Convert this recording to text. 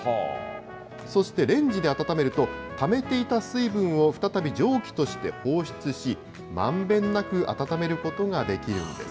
そしてレンジで温めるとためていた水分を再び蒸気として放出し、まんべんなく温めることができるんです。